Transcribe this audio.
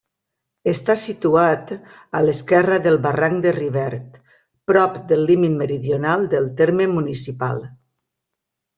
Està situat a l'esquerra del barranc de Rivert, prop del límit meridional del terme municipal.